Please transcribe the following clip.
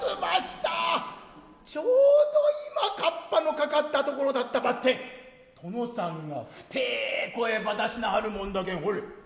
ちょうど今かっぱのかかったところだったばってん殿さんが太ェ声ば出しなはるもんだけんほれ